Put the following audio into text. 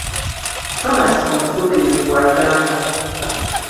Thomas Omutuukirivu bw'agamba.